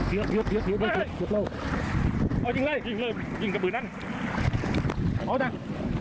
เอาตั้ง